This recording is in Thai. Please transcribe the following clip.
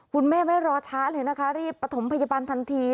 คุณแม่ไม่รอช้าเลยนะคะรีบประถมพยาบาลทันที